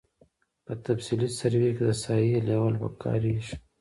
په تفصیلي سروې کې د ساحې لیول کاري کیږي